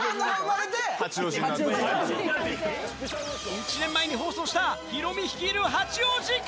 １年前に放送したヒロミ率いる